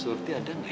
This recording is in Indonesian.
surti ada gak ya